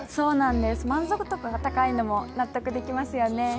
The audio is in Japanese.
満足度が高いのも納得できますよね。